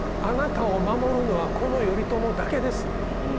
あなたを守るのはこの頼朝だけです」。